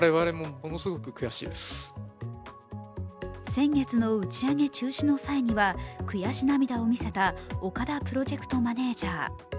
先月の打ち上げ中止の際には、悔し涙を見せた岡田プロジェクトマネージャ。